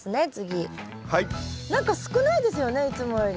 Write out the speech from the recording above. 何か少ないですよねいつもより。